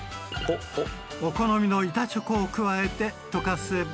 お好みの板チョコを加えて溶かせば。